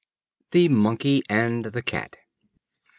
The Monkey and the Cat.